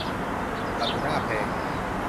ปลาทูน่าแพง